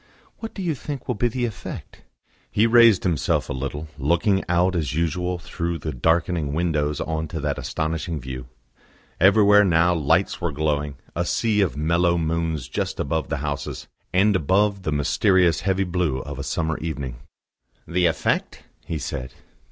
"What do you think will be the effect?" He raised himself a little, looking out as usual through the darkening windows on to that astonishing view. Everywhere now lights were glowing, a sea of mellow moons just above the houses, and above the mysterious heavy blue of a summer evening. "The effect?" he said.